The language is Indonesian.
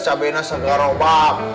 cabainya segar obat